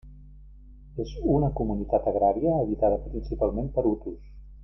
És una comunitat agrària habitada principalment per hutus.